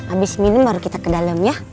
abis minum baru kita ke dalam ya